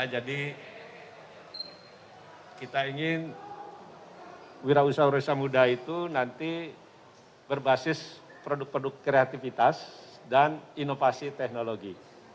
jadi kita ingin wirausaha wirausaha muda itu nanti berbasis produk produk kreativitas dan inovasi teknologi